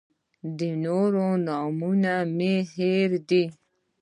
د نورو نومونه مې هېر دي.